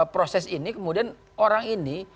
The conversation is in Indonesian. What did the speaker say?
proses ini kemudian orang ini